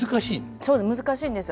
そう難しいんです。